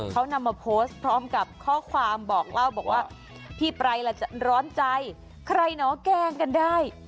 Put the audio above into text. เขานำมาโพสต์พร้อมกับข้อความบอกเล่าบอกว่าพี่ไปแล้วจะร้อนใจใครเนาะแกล้งกันได้